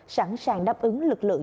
sẵn sàng đáp ứng lực lượng